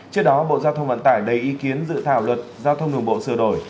trước đó bộ giao thông vận tải đầy ý kiến dự thảo luật giao thông đường bộ sửa đổi